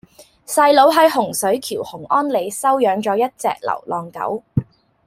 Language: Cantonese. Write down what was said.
細佬喺洪水橋洪安里收養左一隻流浪狗